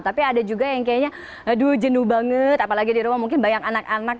tapi ada juga yang kayaknya aduh jenuh banget apalagi di rumah mungkin banyak anak anak